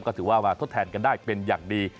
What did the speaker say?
ก็ถือว่ามาทดแทนกันได้เป็นอย่างดี